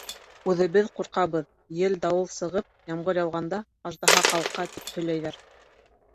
Үҙебеҙ ҡурҡабыҙ: ел-дауыл сығып, ямғыр яуғанда, аждаһа ҡалҡа, тип һөйләйҙәр.